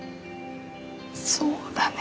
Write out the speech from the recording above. そうだね。